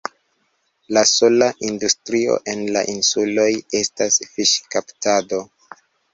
La sola industrio en la insuloj estas fiŝkaptado.